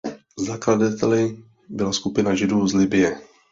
Zakladateli byla skupina Židů z Libye.